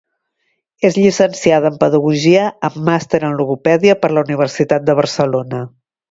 És llicenciada en pedagogia amb màster en logopèdia per la Universitat de Barcelona.